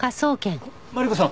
マリコさん